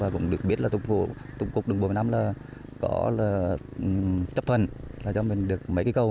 cũng được biết là tổng cục đường bộ việt nam có chấp thuận cho mình được mấy cây cầu